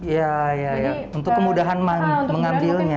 iya untuk kemudahan mengambilnya